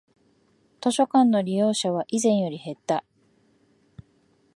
図書館の利用者は以前より減った